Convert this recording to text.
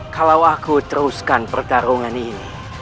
kalau aku teruskan pertarungan ini